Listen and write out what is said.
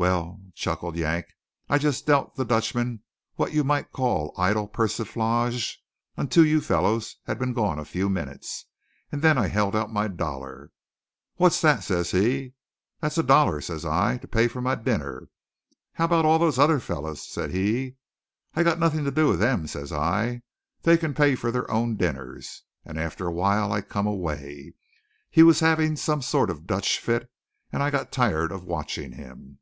"Well," chuckled Yank, "I just dealt the Dutchman what you might call idle persiflage until you fellows had been gone a few minutes, and then I held him out my dollar. 'What's that?' says he. 'That's a dollar,' says I, 'to pay for my dinner.' 'How about all those other fellows?' says he. 'I got nothing to do with them,' says I. 'They can pay for their own dinners,' and after a while I come away. He was having some sort of Dutch fit, and I got tired of watching him."